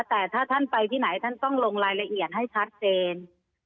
แต่ถ้าท่านไปที่ไหนท่านต้องลงรายละเอียดให้ชัดเจน